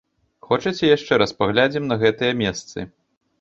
Хочаце, яшчэ раз паглядзім на гэтыя месцы!